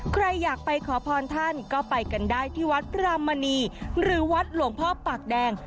ใครอยากไปขอพรท่านก็ไปกันได้ที่วัดพระมณีหรือวัดหลวงพ่อปากแดง